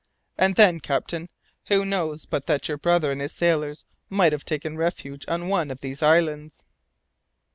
"And then, captain, who knows but that your brother and his sailors might have taken refuge on one of these islands!"